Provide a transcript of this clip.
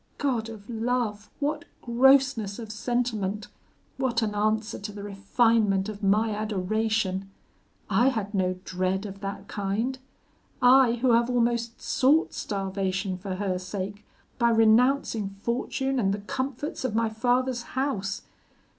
God of love, what grossness of sentiment! What an answer to the refinement of my adoration! I had no dread of that kind; I, who have almost sought starvation for her sake, by renouncing fortune and the comforts of my father's house!